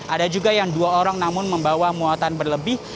ada juga yang dua orang namun membawa muatan berlebih